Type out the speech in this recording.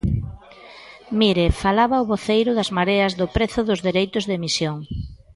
Mire, falaba o voceiro das Mareas do prezo dos dereitos de emisión.